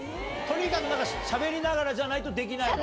とにかくしゃべりながらじゃないとできないの？